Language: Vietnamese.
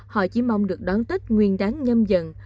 họ chỉ mong được đón tết nguyên đáng nhâm dần